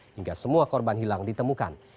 hingga semua korban hilang ditemukan